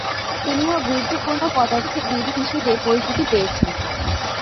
তিনিও গুরুত্বপূর্ণ পদার্থবিদ হিসেবে পরিচিতি পেয়েছেন।